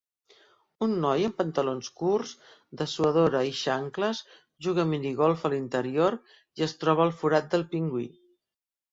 Un noi en pantalons curts, dessuadora i xancles juga a minigolf a l'interior i es troba al forat del pingüí